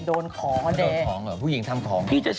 โดนของ